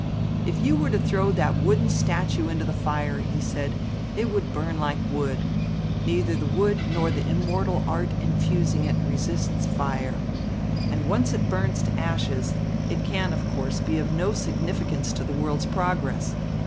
"If you were to throw that wooden statue into the fire," he said, "it would burn like wood. Neither the wood nor the immortal art infusing it resists fire. And once it burns to ashes, it can, of course, be of no significance to the world's progress.